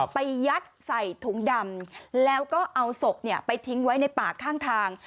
ยัดใส่ถุงดำแล้วก็เอาศพไปทิ้งไว้ในป่าข้างทาง